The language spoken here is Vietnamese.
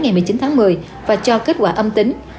ngày một mươi chín tháng một mươi và cho kết quả âm tính